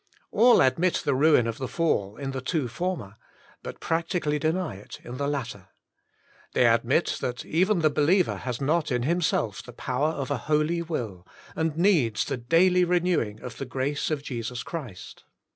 All admit the ruin of the fall in the two former, but practically deny it in the latter. They admit that even the believer has not in himself the power of a holy will, and needs the daily renewing of the grace of Jesus Christ.